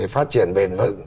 phát triển bền vững